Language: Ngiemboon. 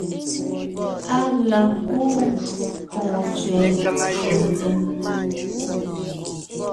Á la kúu kwòŋo tsẅɛ ncwò nzěm,